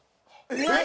えっ！？